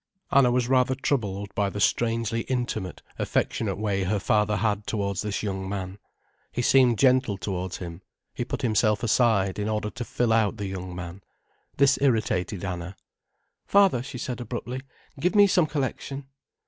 Anna was rather troubled by the strangely intimate, affectionate way her father had towards this young man. He seemed gentle towards him, he put himself aside in order to fill out the young man. This irritated Anna. "Father," she said abruptly, "give me some collection."